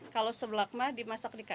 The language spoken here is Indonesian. kalau seblak mah dimasak di kaca